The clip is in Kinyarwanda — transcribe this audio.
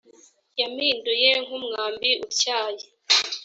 yampinduye nk umwambi utyaye